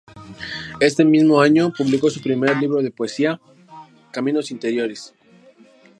Este mismo año publicó su primer libro de poesía "Caminos Interiores".